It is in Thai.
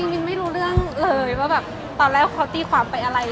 มินไม่รู้เรื่องเลยว่าแบบตอนแรกเขาตีความไปอะไร